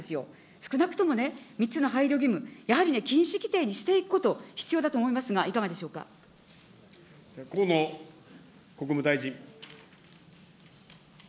少なくともね、３つの配慮義務、やはりね、禁止規定にしていくこと、必要だと思いますが、いかが河野国務大臣。